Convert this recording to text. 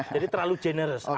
jadi terlalu generous